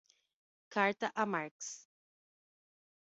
Carta a Marx